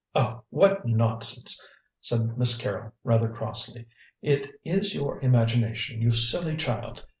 "Oh, what nonsense!" said Miss Carrol, rather crossly; "it is your imagination, you silly child!"